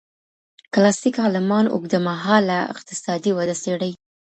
کلاسیک عالمان اوږدمهاله اقتصادي وده څېړي.